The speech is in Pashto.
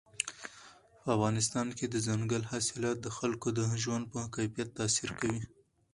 په افغانستان کې دځنګل حاصلات د خلکو د ژوند په کیفیت تاثیر کوي.